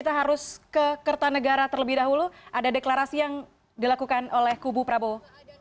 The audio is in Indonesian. kita harus ke kertanegara terlebih dahulu ada deklarasi yang dilakukan oleh kubu prabowo